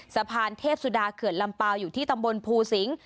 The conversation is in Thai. สะพานเทพสุดาเขื่อนลำเปล่าอยู่ที่ตำบลภูสิงศ์